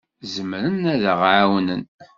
Zemren ad d-ɛawnen.